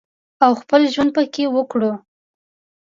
او خپل ژوند پکې وکړو